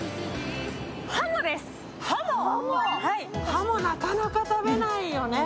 ハモ、なかなか食べないよね